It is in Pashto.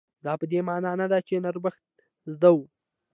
دا په دې مانا نه ده چې نرمښت زده و.